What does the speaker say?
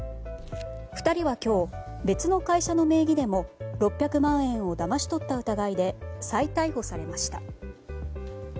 ２人は今日、別の会社の名義でも６００万円をだまし取った疑いで再逮捕されました。